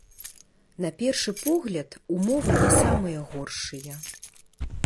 На першы погляд, умовы не самыя горшыя.